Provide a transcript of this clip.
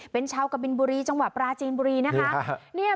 เป็นชาวกะบินบุรีจังหวัดปราจีนบุรีนะคะ